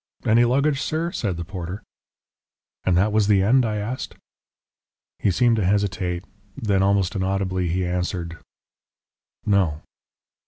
"Any luggage, sir?" said the porter. "And that was the end?" I asked. He seemed to hesitate. Then, almost inaudibly, he answered, "No."